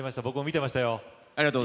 僕も見てましたよ。